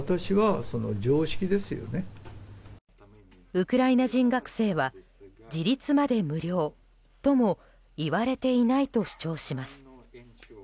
ウクライナ人学生は自立まで無料とも言われていないと主張します。